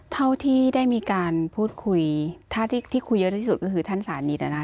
เท่าที่ได้มีการพูดคุยถ้าที่คุยเยอะที่สุดก็คือท่านสานิทนะคะ